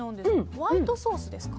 ホワイトソースですか？